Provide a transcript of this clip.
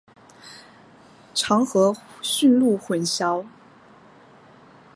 常和驯鹿混淆。